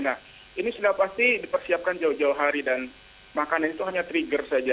nah ini sudah pasti dipersiapkan jauh jauh hari dan makanan itu hanya trigger saja